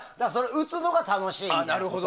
打つのが楽しいの。